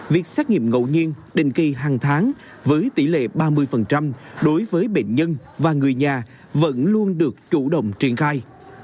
việc xét nghiệm ngẫu nhiên định kỳ hàng tháng với tỷ lệ ba mươi đối với bệnh nhân và người nhà vẫn luôn được chủ động triển khai